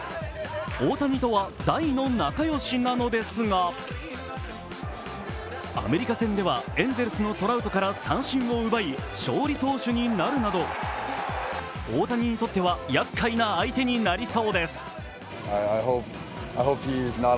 大谷とは大の仲よしなのですがアメリカ戦では、エンゼルスのトラウトから三振を奪い勝利投手になるなど、大谷にとってはやっかいな相手になりそうです。